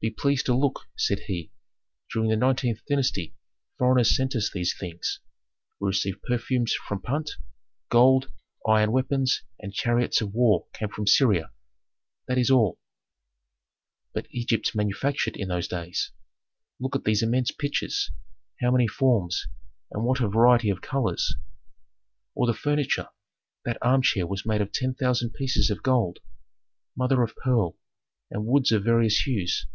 "Be pleased to look," said he. "During the nineteenth dynasty foreigners sent us these things: we received perfumes from Punt; gold, iron weapons, and chariots of war came from Syria. That is all. "But Egypt manufactured in those days. Look at these immense pitchers, how many forms, and what a variety of colors. "Or the furniture: that armchair was made of ten thousand pieces of gold, mother of pearl, and woods of various hues.